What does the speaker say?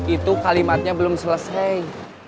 itu kalimatnya belum selesai